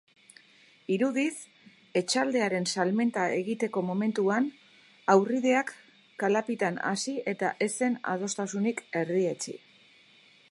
Irudiz, etxaldearen salmenta egiteko momentuan haurrideak kalapitan hasi eta ez zen adostasunik erdietsi.